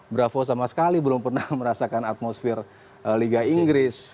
bravo sama sekali belum pernah merasakan atmosfer liga inggris